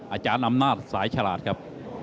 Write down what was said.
อาจารย์อำนาจสายฉลาดครับ